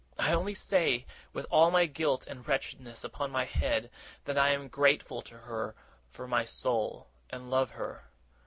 I only say, with all my guilt and wretchedness upon my head, that I am grateful to her from my soul, and love her.